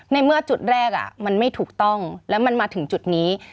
ในเมื่อจุดแรกมันไม่ถูกต้องแล้วมันมาถึงจุดนี้